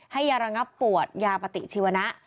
ให้ยาระงับปวดยาปฏิชีวนะ